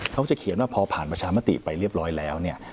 เขาจะเขียนว่าพอผ่านประชามติไปเรียบร้อยแล้วเนี่ย